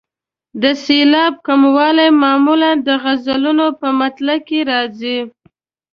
د سېلاب کموالی معمولا د غزلونو په مطلع کې راځي.